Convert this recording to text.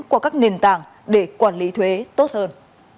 qua các nền tảng để quản lý thuế tốt hơn